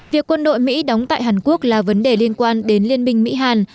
việc quân đội mỹ đóng tại hàn quốc là vấn đề liên quan đến liên minh mỹ hàn